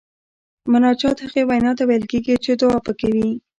مناجات هغې وینا ته ویل کیږي چې دعا پکې وي.